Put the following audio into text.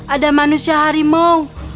ada manusia harimau